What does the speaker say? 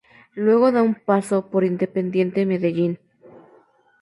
Luego da un paso por Independiente Medellín.